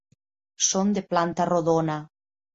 Són de planta rodona.